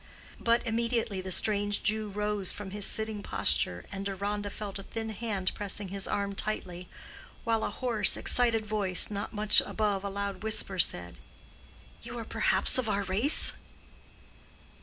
But immediately the strange Jew rose from his sitting posture, and Deronda felt a thin hand pressing his arm tightly, while a hoarse, excited voice, not much above a loud whisper, said, "You are perhaps of our race?"